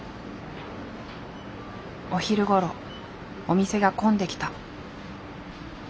お昼ごろお店が混んできた。